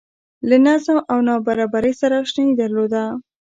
له نظم او نابرابرۍ سره اشنايي درلوده